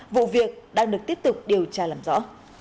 vụ việc đang được tiếp tục điều tra làm rõ